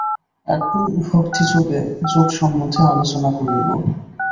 এখন ভক্তিযোগ সন্বন্ধে আলোচনা করিব।